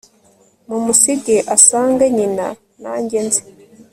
mumusige asange nyina nanjye nze